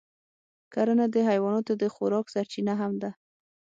کرنه د حیواناتو د خوراک سرچینه هم ده.